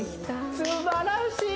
すばらしい！